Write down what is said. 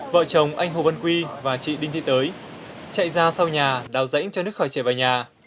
vợ chồng anh hồ văn quy và chị đinh thị tới chạy ra sau nhà đào rãnh cho đức khỏi trẻ về nhà